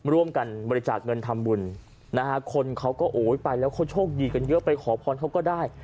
ร่วมกันบริจาคเงินทำบุญนะฮะคนเขาก็โอ้ยไปแล้วเขาโชคดีกันเยอะไปขอพรเขาก็ได้